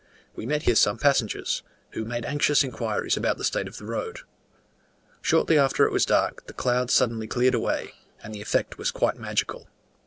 We met here some passengers, who made anxious inquiries about the state of the road. Shortly after it was dark the clouds suddenly cleared away, and the effect was quite magical.